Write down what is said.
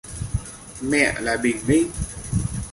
Mẹ là bình minh